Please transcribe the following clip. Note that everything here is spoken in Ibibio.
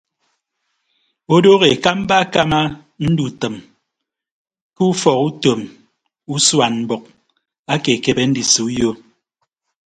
Odooho ekamba akama ndutʌm ke ufọk utom usuan mbʌk ake ekebe ndise uyo.